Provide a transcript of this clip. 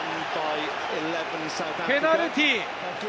ペナルティー。